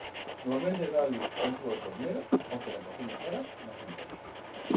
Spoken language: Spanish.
Normalmente da luz a un solo ternero, aunque en ocasiones raras nacen dos.